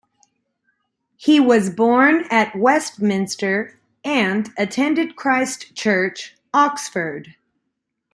He was born at Westminster and attended Christ Church, Oxford.